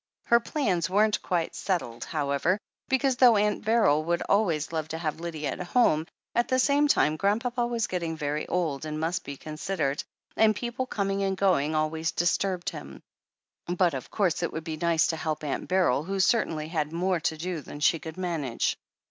Her plans weren't quite settled, however, because though Aunt Beryl would always love to have Lydia at home, at the same time Grandpapa was getting very old, and must be considered, and people coming and going always dis turbed him. But of course it would be nice to help Atmt Beryl, who certainly had more to do than she could manage.